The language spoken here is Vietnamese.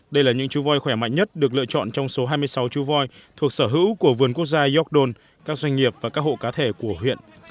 đây là những chú voi khỏe mạnh nhất được lựa chọn trong số hai mươi sáu chú voi thuộc sở hữu của vườn quốc gia york don các doanh nghiệp và các hộ cá thể của huyện